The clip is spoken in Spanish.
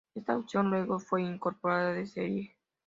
Esta opción luego fue incorporada de serie.